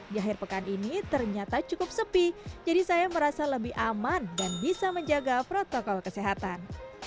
di akhir pekan ini ternyata cukup sepi jadi saya merasa lebih aman dan bisa menjaga protokol kesehatan